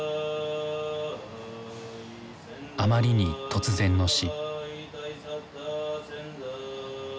あまりに突然の死。